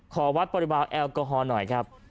ขอวัดปริมาณแอลกอฮอล์หน่อยครับ